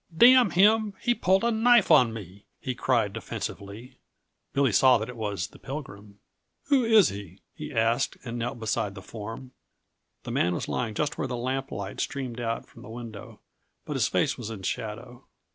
"Damn him, he pulled a knife on me!" he cried defensively. Billy saw that it was the Pilgrim. "Who is he?" he asked, and knelt beside the form. The man was lying just where the lamp light streamed out from the window, but his face was in shadow.